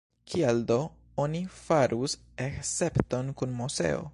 Kial do oni farus escepton kun Moseo?